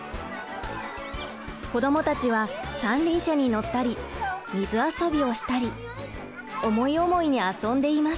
子どもたちは三輪車に乗ったり水遊びをしたり思い思いに遊んでいます。